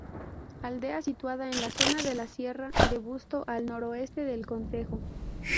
Aldea situada en la zona de la sierra de Busto, al noroeste del concejo.